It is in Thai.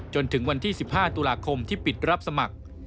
จนถึงวันที่๑๕ตุลาคมที่ปิดรับสมัคร